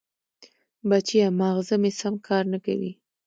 بچیه! ماغزه مې سم کار نه کوي.